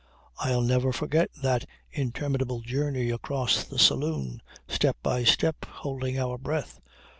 "I'll never forget that interminable journey across the saloon, step by step, holding our breath.